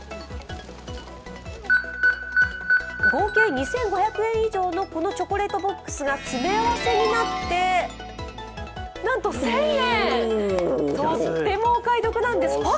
合計２５００円以上のこのチョコレートボックスが詰め合わせになって、なんと１０００円とってもお買い得なんです。